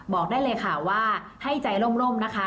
บอกได้เลยค่ะว่าให้ใจร่มนะคะ